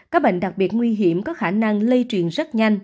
các bệnh đặc biệt nguy hiểm có khả năng lây truyền rất nhanh